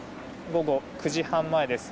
午後９時半前です。